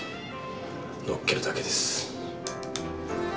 のっけるだけです。